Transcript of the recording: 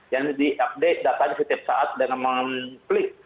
yang diupdate datanya setiap saat dengan mengklik